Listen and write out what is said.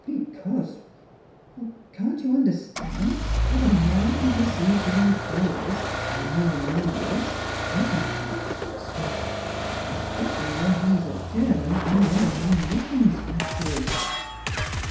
" Because Can't you understand that a man who deceives his employers by using an alias isn't to be trusted? ... Especially when he's a German and in a munitions factory."